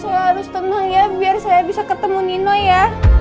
saya harus tenang ya biar saya bisa ketemu nino ya